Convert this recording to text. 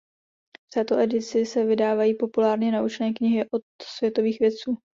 V této edici se vydávají populárně naučné knihy od světových vědců.